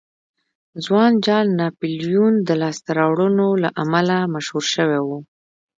ځوان جال ناپلیون د لاسته راوړنو له امله مشهور شوی و.